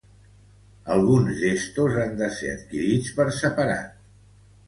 Alguns d'estos han de ser adquirits per separat.